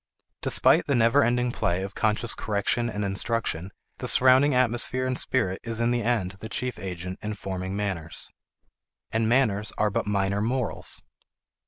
Despite the never ending play of conscious correction and instruction, the surrounding atmosphere and spirit is in the end the chief agent in forming manners. And manners are but minor morals.